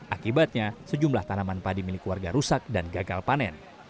akibatnya sejumlah tanaman padi milik warga rusak dan gagal panen